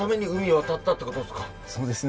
そうですね。